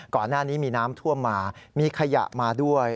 ก่อนหน้านี้มีน้ำท่วมมามีขยะมาด้วย